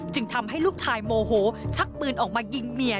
ทำให้ลูกชายโมโหชักปืนออกมายิงเมีย